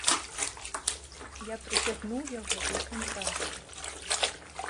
Я прыцягнуў яго для кантрасту.